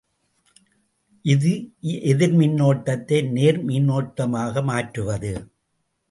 இது எதிர்மின்னோட்டத்தை நேர் மின்னோட்டமாக மாற்றுவது.